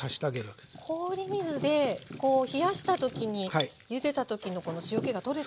氷水でこう冷やした時にゆでた時の塩気がとれた分を。